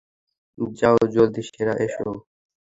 যাও জলদি সেরে এসো।